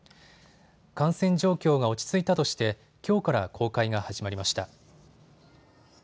感染状況が落ち着いたとしてきょうから公開が始まりました。